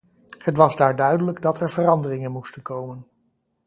Het was daar duidelijk dat er veranderingen moesten komen.